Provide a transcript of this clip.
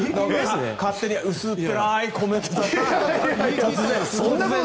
勝手に薄っぺらいコメントだなと。